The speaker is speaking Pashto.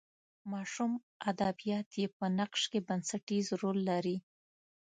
ماشوم ادبیات یې په نقش کې بنسټیز رول لري.